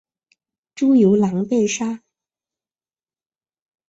朱由榔被杀。